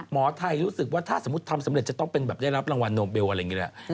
หมอไทยรู้สึกว่าถ้าสมมุติทำสำเร็จจะต้องเป็นแบบได้รับรางวัลโนเบลอะไรอย่างนี้แหละ